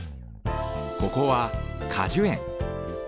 ここは果樹園。